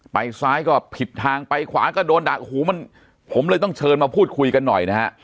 ไปซ้ายก็ผิดทางไปขวาก็โดนดักหูมันผมเลยต้องเชิญมาพูดคุยกันหน่อยนะฮะ